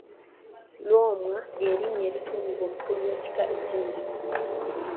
Lwomwa, lye linnya erituumwa omukulu w’ekika ky’endiga.